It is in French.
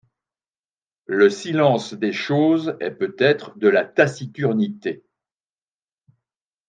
Le silence des choses est peut-être de la taciturnité.